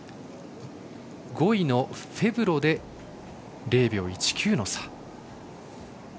５位のフェブロで０秒１９差。